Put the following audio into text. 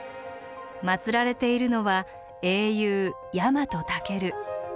祀られているのは英雄ヤマトタケル。